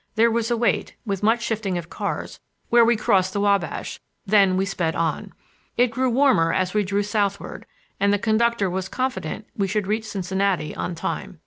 There was a wait, with much shifting of cars, where we crossed the Wabash, then we sped on. It grew warmer as we drew southward, and the conductor was confident we should reach Cincinnati on time.